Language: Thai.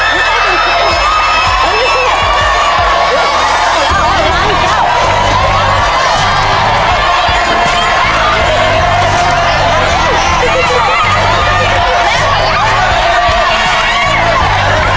ไปเลย